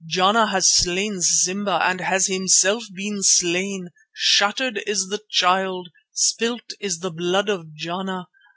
Jana has slain Simba and has himself been slain! Shattered is the Child; spilt is the blood of Jana!